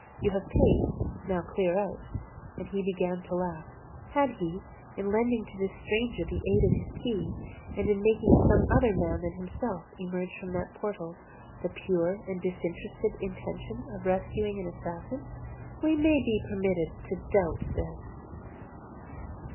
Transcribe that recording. You have paid, now clear out." And he began to laugh. Had he, in lending to this stranger the aid of his key, and in making some other man than himself emerge from that portal, the pure and disinterested intention of rescuing an assassin? We may be permitted to doubt this.